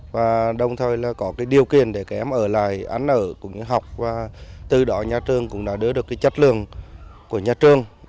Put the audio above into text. và đồng thời là có cái điều kiện để các em ở lại ăn ở học và tư đỏ nhà trường cũng đã đưa được cái chất lượng của nhà trường